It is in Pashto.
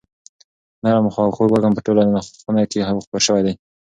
نرم او خوږ وږم په ټوله خونه کې خپور شوی دی.